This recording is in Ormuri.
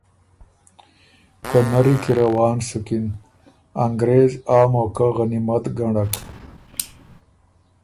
که نری کی روان سُکِن انګرېز آ موقع غنیمت ګنړک